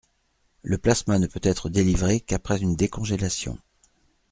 Le plasma ne peut être délivré qu’après une décongélation.